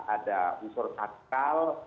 ada unsur asal